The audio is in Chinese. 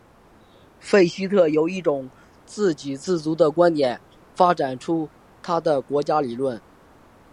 费希特由一种自给自足的观点发展出他的国家理论。